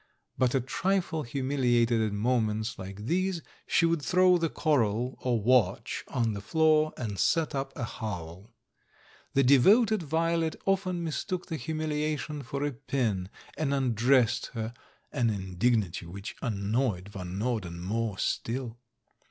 But, a trifle humiliated at moments like these, she would throw the coral, or watch, on the floor and set up a howl. The devoted Violet often mistook the humiliation for a pin, and undressed her — an indignity which annoyed Van Norden more still.